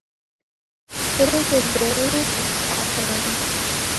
It is a variant of Katherine.